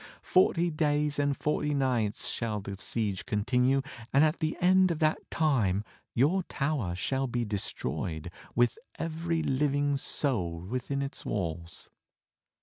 Forty days and forty nights shall the siege continue, and at the end of that time your tower shall be de stroyed with every living soul within its walls.